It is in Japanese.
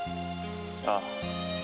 ああ。